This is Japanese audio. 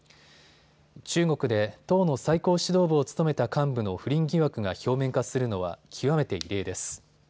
中国で党の最高指導部を務めた幹部の不倫疑惑が表面化するのは、極めて異例です。